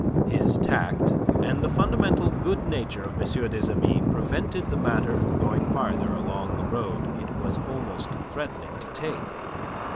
His tact and the fundamental good nature of M. des Amis prevented the matter from going farther along the road it was almost threatening to take.